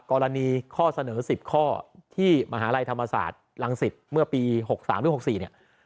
กรณีข้อเสนอ๑๐ข้อที่มหาลัยธรรมศาสตร์รังสิตเมื่อปี๖๓หรือ๖๔เนี่ย